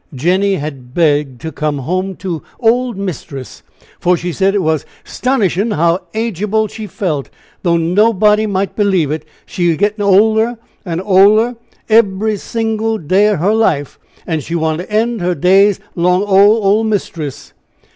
Jenny had begged to come home to "old mistress" for she said it was "'stonishin how age able," she felt, though nobody might believe it, she was "gettin' oler and oler, ebery singly day" of her life, and she wanted to end her days "'long o' ole mistress."